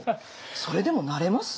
それでもなれます？